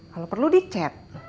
kalau perlu dicet